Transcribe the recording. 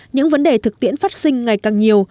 những vấn đề thực tiễn phát sinh ngày càng nhiều